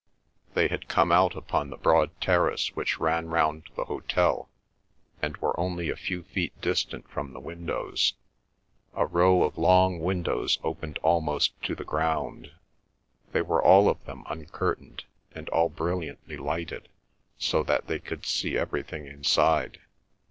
They had come out upon the broad terrace which ran round the hotel and were only a few feet distant from the windows. A row of long windows opened almost to the ground. They were all of them uncurtained, and all brilliantly lighted, so that they could see everything inside.